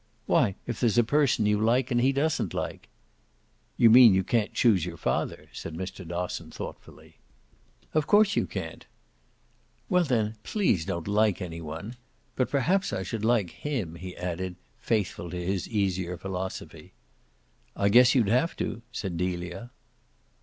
"Why if there's a person you like and he doesn't like." "You mean you can't choose your father," said Mr. Dosson thoughtfully. "Of course you can't." "Well then please don't like any one. But perhaps I should like him," he added, faithful to his easier philosophy. "I guess you'd have to," said Delia.